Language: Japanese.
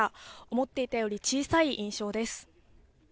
思っていたより小さい印象です。